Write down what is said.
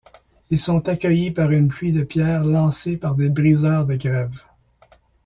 Ils sont accueillis par une pluie de pierres lancés par les briseurs de grève.